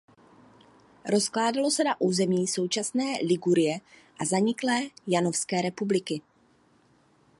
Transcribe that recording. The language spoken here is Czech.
Rozkládalo se na území současné Ligurie a zaniklé Janovské republiky.